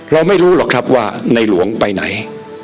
เราไม่รู้หรอกครับว่าในหลวงไปไหน